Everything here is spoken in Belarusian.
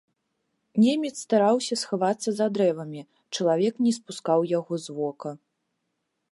Немец стараўся схавацца за дрэвамі, чалавек не спускаў яго з вока.